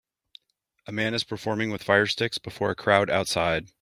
A man is performing with fire sticks before a crowd outside.